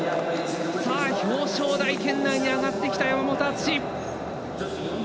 表彰台圏内に上がってきた山本篤。